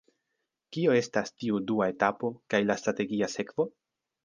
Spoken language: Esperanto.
Kio estas tiu dua etapo kaj la strategia sekvo?